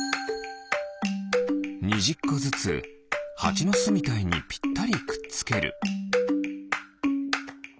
２０こずつハチのすみたいにぴったりくっつける。